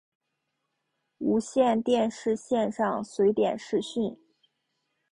无线电视线上随点视讯